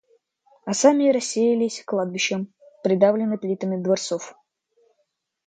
А сами расселились кладбищем, придавлены плитами дворцов.